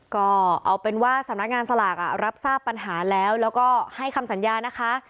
ก็เอาเป็นว่าสำนักงานสลากรับทราบปัญหาแล้วแล้วก็ให้คำสัญญานะคะ